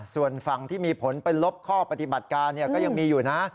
ส่วนฝั่งที่มีผลเป็นลบข้อปฏิบัติการก็ยังมีอยู่นะ